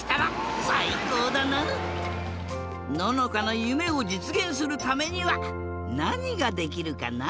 ののかのゆめをじつげんするためにはなにができるかな？